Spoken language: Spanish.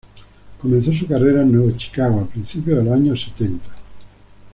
Comenzó su carrera en Nueva Chicago a principios de los años setentas.